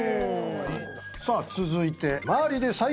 さあ続いて。